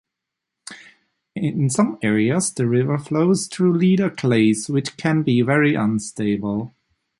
In some areas the river flows through Leda clays which can be very unstable.